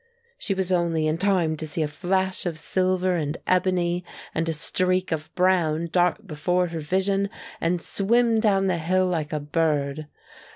She was only in time to see a flash of silver and ebony and a streak of brown dart before her vision and swim down the hill like a bird.